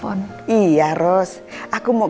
terima kasih allah